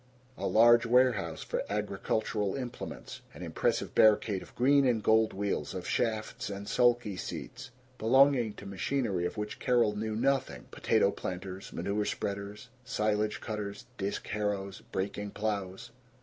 A large warehouse for agricultural implements. An impressive barricade of green and gold wheels, of shafts and sulky seats, belonging to machinery of which Carol knew nothing potato planters, manure spreaders, silage cutters, disk harrows, breaking plows.